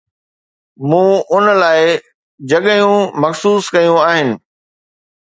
مون ان لاءِ جڳھون مخصوص ڪيون آھن.